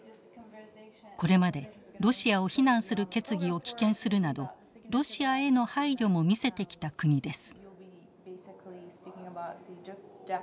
これまでロシアを非難する決議を棄権するなどロシアへの配慮も見せてきた国です。